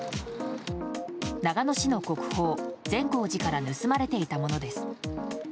長野市の国宝・善光寺から盗まれていたものです。